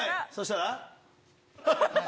そしたら？